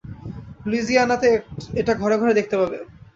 লুইজিয়ানাতে এটা ঘরে ঘরে দেখতে পাবে।